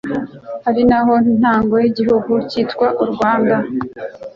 ari naho ntango y'igihugu cyitwa u Rwanda,